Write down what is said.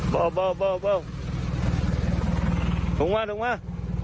เบาเบาเบาเบาถูกมาถูกมา